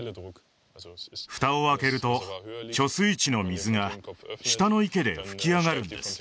フタを開けると貯水池の水が下の池で噴き上がるんです